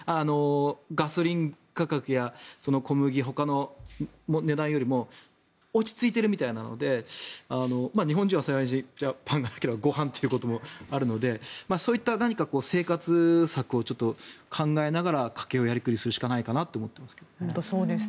ガソリン価格や小麦ほかの値段よりも落ち着いているみたいなので日本人は幸いパンがなければご飯ということもあるのでそういった生活策を考えながら家計をやりくりするしかないなと思っていますけど。